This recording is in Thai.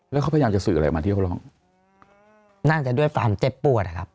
แล้วเขาพยายามจะสื่ออะไรออกมาที่เขาร้องน่าจะด้วยความเจ็บปวดอะครับ